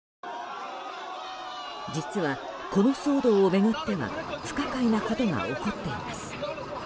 実は、この騒動を巡っては不可解なことが起こっています。